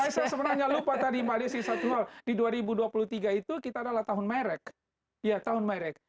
saya sebenarnya lupa tadi mbak desi satu hal di dua ribu dua puluh tiga itu kita adalah tahun merek ya tahun merek